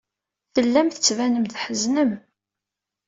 Tellam tettbanem-d tḥeznem.